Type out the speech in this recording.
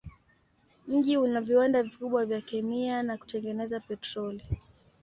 Mji una viwanda vikubwa vya kemia na kutengeneza petroli.